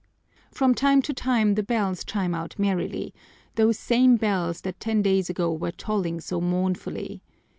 From time to time the bells chime out merrily, those same bells that ten days ago were tolling so mournfully.